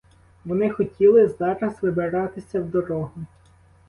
Вони хотіли зараз вибиратися в дорогу.